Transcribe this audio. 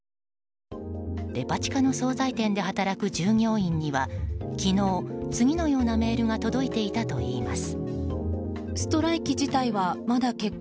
デパ地下の総菜店で働く従業員には昨日、次のようなメールが届いていたといいます。